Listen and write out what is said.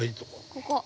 ◆ここ？